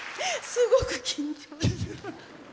すごく緊張した。